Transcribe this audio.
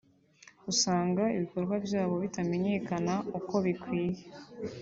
usanga ibikorwa byabo bitamenyekana uko bikwiye